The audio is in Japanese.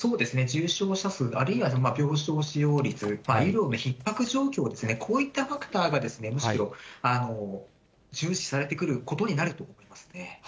重症者数、あるいは病床使用率、医療のひっ迫状況、こういったファクターが、むしろ重視されてくることになると思いますね。